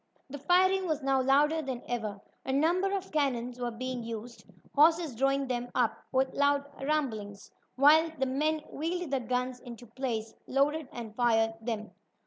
The firing was now louder than ever. A number of cannon were being used, horses drawing them up with loud rumblings, while the men wheeled the guns into place, loaded and fired them.